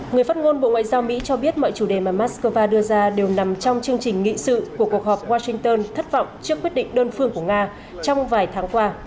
người phát ngôn bộ ngoại giao mỹ cho biết mọi chủ đề mà moscow đưa ra đều nằm trong chương trình nghị sự của cuộc họp washington thất vọng trước quyết định đơn phương của nga trong vài tháng qua